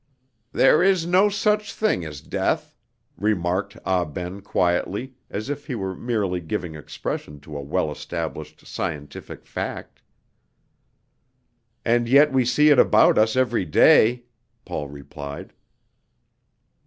"There is no such thing as death!" remarked Ah Ben quietly, as if he were merely giving expression to a well established scientific fact. "And yet we see it about us every day," Paul replied.